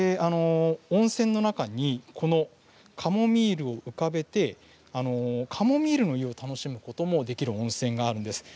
その中にカモミールを浮かべてカモミールのお湯を楽しむことができる温泉があります。